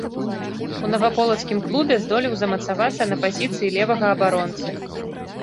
У наваполацкім клубе здолеў замацавацца на пазіцыі левага абаронцы.